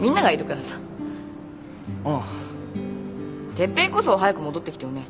哲平こそ早く戻ってきてよね。